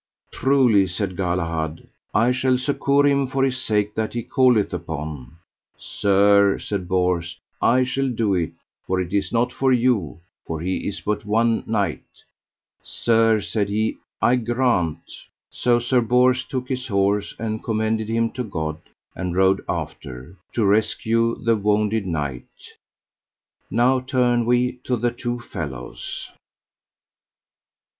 Truly, said Galahad, I shall succour him for His sake that he calleth upon. Sir, said Bors, I shall do it, for it is not for you, for he is but one knight. Sir, said he, I grant. So Sir Bors took his horse, and commended him to God, and rode after, to rescue the wounded knight. Now turn we to the two fellows.